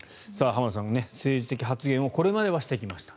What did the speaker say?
浜田さん、政治的発言をこれまではしてきました。